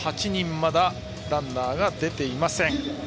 まだランナーが出ていません。